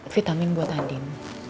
vitamin buat andin